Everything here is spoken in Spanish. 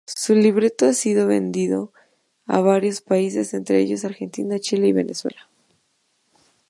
Su libreto ha sido vendido a varios países, entre ellos Argentina, Chile y Venezuela.